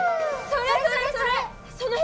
それそれそれ！